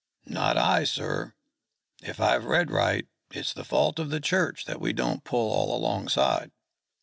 "Not I, sir. If I've read right, it's the fault of the Church that we don't pull all alongside.